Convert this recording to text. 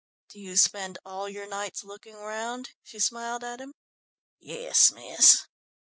"Do you spend all your nights looking round?" she smiled at him. "Yes, miss."